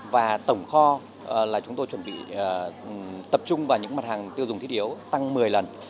và tổng kho là chúng tôi chuẩn bị tập trung vào những mặt hàng tiêu dùng thiết yếu tăng một mươi lần